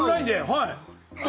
はい。